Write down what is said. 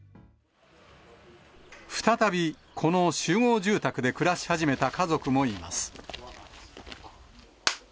再び、この集合住宅で暮らし始めた家族もいます。